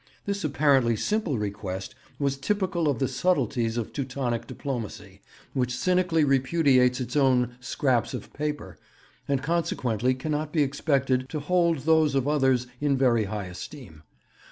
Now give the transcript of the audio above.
This apparently simple request was typical of the subtleties of Teutonic diplomacy, which cynically repudiates its own 'scraps of paper,' and consequently cannot be expected to hold those of others in very high esteem.